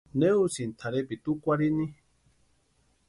¿Ne úsïni tʼarhepiti úkwarhini?